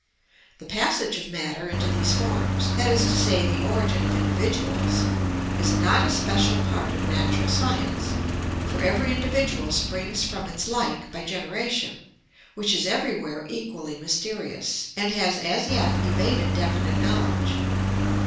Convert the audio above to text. The passage of matter into these forms, that is to say, the origin of individuals, is not a special part of natural science, for every individual springs from its like by generation, which is everywhere equally mysterious, and has as yet evaded definite knowledge.